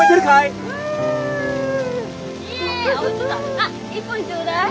あっ１本ちょうだい。